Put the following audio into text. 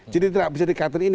jadi tidak bisa dikatakan ini